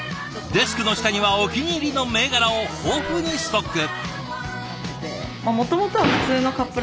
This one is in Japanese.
デスクの下にはお気に入りの銘柄を豊富にストック。